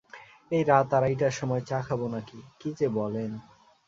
এই রাত আড়াইটার সময় চা খাব নাকি, কী যে বলেন!